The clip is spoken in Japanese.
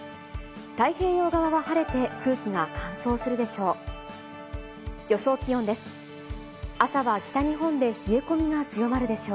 太平洋側は晴れて空気が乾燥するでしょう。